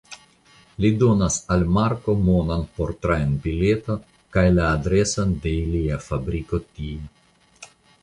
Li donas al Marko monon por trajnobileto kaj la adreson de ilia fabriko tie.